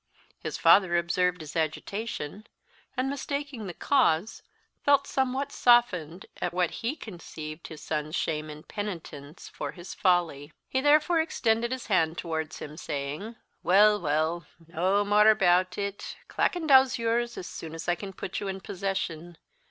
His father observed his agitation; and, mistaking the cause, felt somewhat softened at what he conceived his son's shame and penitence for his folly. He therefore extended his hand towards him, saying, "Weel, weel, nae mairaboot it; Clackandow's yours, as soon as I can put you in possession.